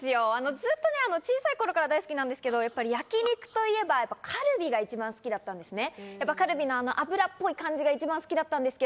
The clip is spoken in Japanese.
ずっと小さい頃から大好きなんですけど、焼肉といえばカルビが一番好きだったんですね。